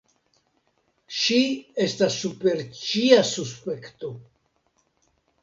Ŝi estas super ĉia suspekto.